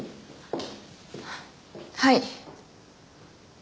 はい。